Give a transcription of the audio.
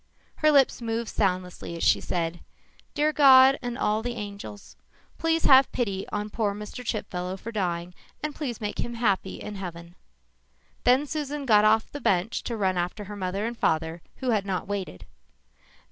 Her lips moved soundlessly as she said, Dear God and all the angels please have pity on poor Mr. Chipfellow for dying and please make him happy in heaven. Then Susan got off the bench quickly to run after her mother and father who had not waited.